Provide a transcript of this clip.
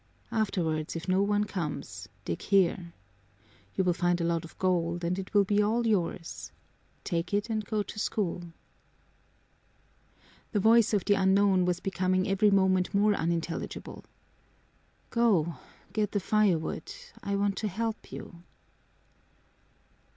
"Afterwards, if no one comes, dig here. You will find a lot of gold and it will all be yours. Take it and go to school." The voice of the unknown was becoming every moment more unintelligible. "Go, get the firewood. I want to help you."